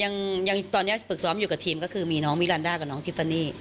ตอนนี้ลูกครึ่งปรึกซ้อมอยู่กับทีมก็คือมีน้องมิรันด้ากับน้องทิฟฟานี่